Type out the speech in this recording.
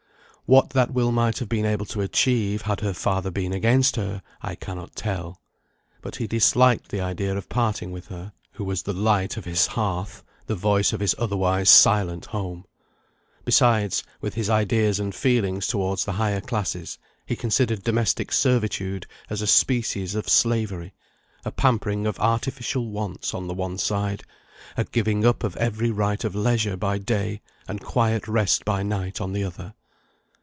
What that will might have been able to achieve had her father been against her, I cannot tell; but he disliked the idea of parting with her, who was the light of his hearth, the voice of his otherwise silent home. Besides, with his ideas and feelings towards the higher classes, he considered domestic servitude as a species of slavery; a pampering of artificial wants on the one side, a giving up of every right of leisure by day and quiet rest by night on the other.